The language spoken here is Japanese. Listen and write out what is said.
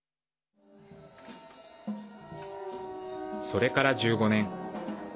それから１５年。